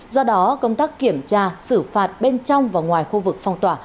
do đó công tác kiểm tra xử phạt bên trong và ngoài khu vực phong tỏa